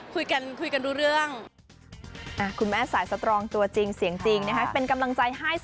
คุยกันรู้เรื่อง